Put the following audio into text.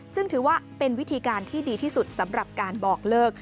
ซึ่งถือว่าเป็นวิธีการที่ดีที่สุดสำหรับการบอกเลิก